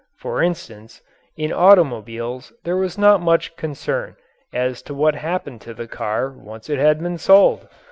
For instance, in automobiles there was not much concern as to what happened to the car once it had been sold.